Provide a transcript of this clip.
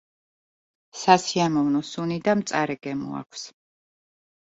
სასიამოვნო სუნი და მწარე გემო აქვს.